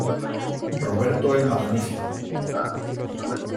Roberto el Magnífico.